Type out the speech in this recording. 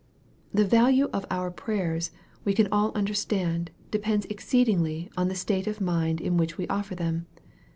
The value of our prayers, we can all understand, de pends exceedingly on the state of mind in which we offer them.